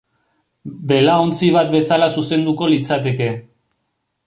Belaontzi bat bezala zuzenduko litzateke.